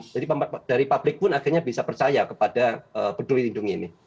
jadi dari pabrik pun akhirnya bisa percaya kepada peduli lindung ini